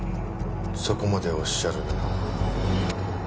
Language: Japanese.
そこまでおっしゃるなら。